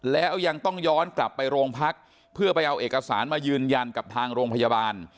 แล้วยังต้องย้อนกลับไปโรงพักเพื่อไปเอาเอกสารมายืนยันกับทางโรงพยาบาล